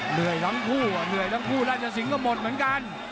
เหนื่อยทั้งคู่เหนื่อยทั้งคู่ราชสิงห์ก็หมดเหมือนกัน